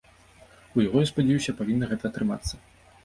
У яго, я спадзяюся, павінна гэта атрымацца.